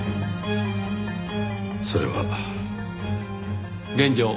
それは。現状